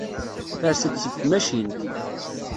Ters-d seg tmacint.